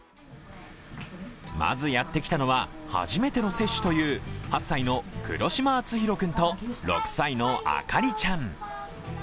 まずやってきたのは初めての接種という８歳の黒島淳史君と６歳の朱倫ちゃん。